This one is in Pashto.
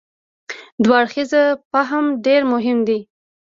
دوه اړخیز فهم ډېر مهم دی.